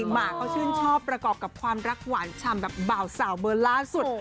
หมาเขาชื่นชอบประกอบกับความรักหวานฉ่ำแบบบ่าวสาวเบอร์ล่าสุด